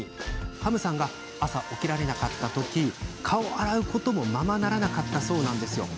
ハムさんが朝、起きられなかった時は顔を洗うこともままならなかったそうです。